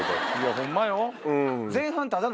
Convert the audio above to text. ホンマよ。